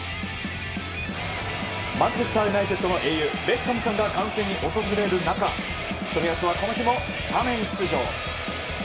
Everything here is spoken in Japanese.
マンチェスター・ユナイテッドの英雄ベッカムさんが観戦に訪れる中冨安は、この日もスタメン出場。